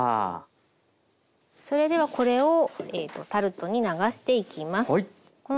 それではこれをえっとタルトに流していきます。